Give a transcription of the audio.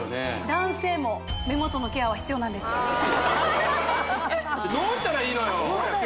男性も目元のケアは必要なんですどうしたらいいのよ？